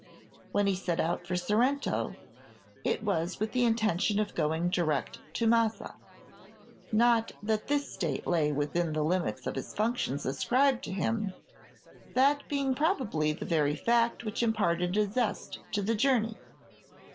When he set out for Sorrento it was with the intention of going direct to Massa; not that this state lay within the limits his functions ascribed to him, that being probably the very fact which imparted a zest to the journey.